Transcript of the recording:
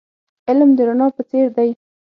علم د رڼا په څیر دی .